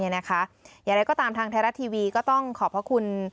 อย่างไรก็ตามทางไทยรัฐทีวีก็ต้องขอบพระคุณ